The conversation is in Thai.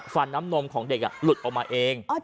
น้ำนมของเด็กหลุดออกมาเอง